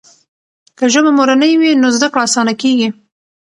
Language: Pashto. که ژبه مورنۍ وي نو زده کړه اسانه کېږي.